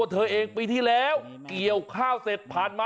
นี่ใครผีแน่เลยครับ